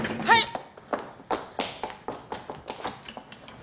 はい！